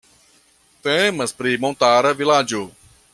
Temas pri montara vilaĝo.